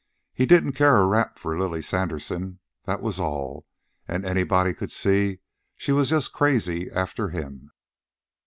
He didn't care a rap for Lily Sanderson, that was all, an' anybody could see she was just crazy after him."